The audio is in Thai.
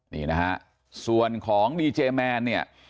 นี่นะฮะส่วนของดีเจแมนเนี่ย